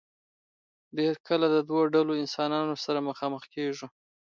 ډېر کله د دو ډلو انسانانو سره مخامخ کيږو